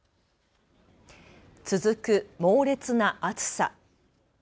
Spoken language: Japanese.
続く猛烈な暑さ。